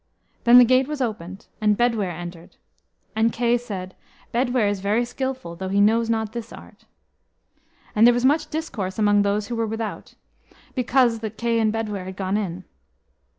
Then the gate was opened, and Bedwyr entered. And Kay said, "Bedwyr is very skilful, though he knows not this art." And there was much discourse among those who were without, because that Kay and Bedwyr had gone in.